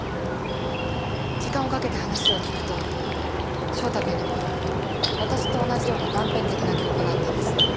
時間をかけて話を聞くと翔太くんにも私と同じような断片的な記憶があったんです。